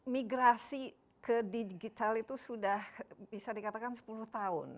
migrasi ke digital itu sudah bisa dikatakan sepuluh tahun